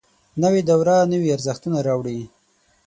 نوې دوره نوي ارزښتونه راوړي